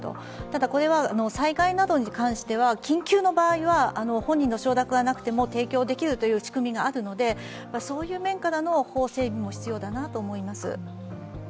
ただ、これは災害などに関しては緊急の場合は本人の承諾がなくても提供できるという仕組みがあるのでそういう面からの法整備も必要だなと思います。